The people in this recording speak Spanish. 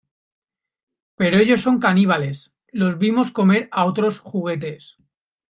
Pero ellos son caníbales. Los vimos comer a otros juguetes .